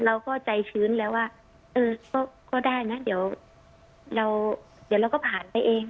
เราก็ใจชื้นแล้วว่าก็ได้นะเดี๋ยวเราก็ผ่านไปเอง